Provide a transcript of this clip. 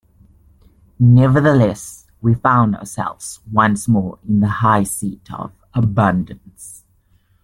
Nevertheless we found ourselves once more in the high seat of abundance.